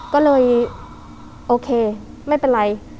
ก็เลยโอเคไม่เป็นไร